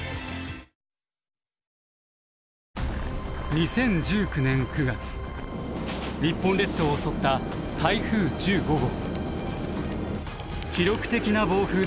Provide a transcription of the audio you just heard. ２０１９年９月日本列島を襲った台風１５号。